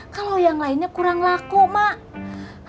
kalau yang lainnya kurang laku mak